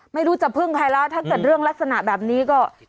ไม่รู้จะพึ่งใครแล้วถ้าเกิดเรื่องลักษณะแบบนี้ก็